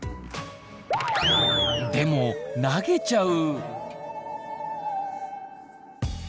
でも投げちゃう。